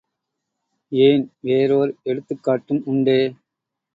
ஏன், வேறோர் எடுத்துக் காட்டும் உண்டே!